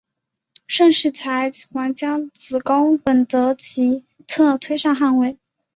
盛世才还将其子恭本德吉特推上汗位。